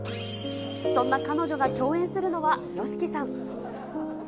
そんな彼女が共演するのは、ＹＯＳＨＩＫＩさん。